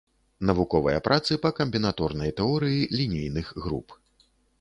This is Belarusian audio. Навуковыя працы па камбінаторнай тэорыі лінейных груп.